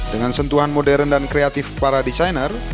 dengan sentuhan modern dan kreatif para desainer